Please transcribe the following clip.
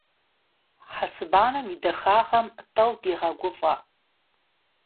Хьэцыбанэм и дахагъэм тӀэу дегъэгуфӀэ.